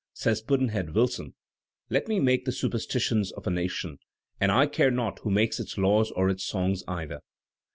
Says Pudd'nhead Wilson, "Let me make the superstitions of a nation, and I care not who makes its laws or its songs either."